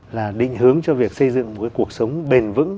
là định hướng cho việc xây dựng một cuộc sống bền vững